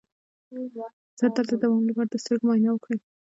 د سر درد د دوام لپاره د سترګو معاینه وکړئ